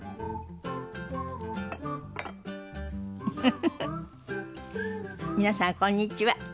フフフフ皆さんこんにちは。